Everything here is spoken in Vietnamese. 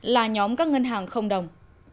là nhóm các ngân hàng không đồng